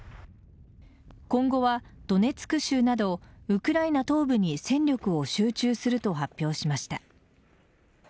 今後はドネツク州などウクライナ東部に戦力を集中すると発表しました。